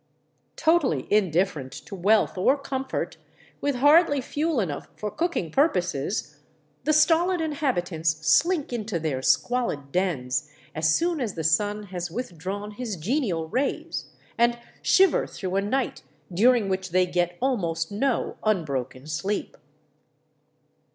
Totally indifferent to wealth or comfort, with hardly fuel enough for cooking purposes, the stolid inhabitants slink into their squalid dens as M)on as the sun has withdrawn his genial rays, and shiver through a night during which they get almost no unbroken sleep.